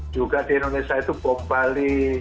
juga di indonesia itu bom bali